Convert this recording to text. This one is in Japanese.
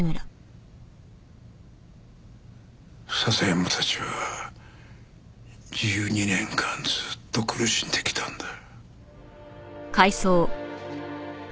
笹山たちは１２年間ずっと苦しんできたんだ。